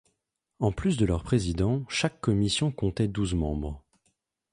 En plus de leur président, chaque commission comptait douze membres.